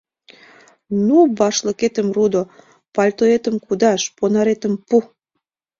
— Ну, башлыкетым рудо, пальтоэтым кудаш, понаретым пу.